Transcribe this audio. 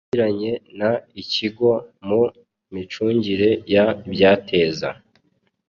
yagiranye n ikigo mu micungire y ibyateza